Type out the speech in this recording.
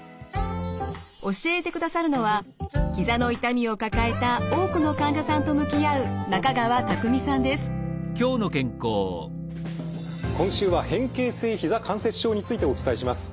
教えてくださるのはひざの痛みを抱えた多くの患者さんと向き合う今週は変形性ひざ関節症についてお伝えします。